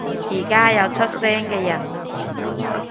而家有出聲嘅人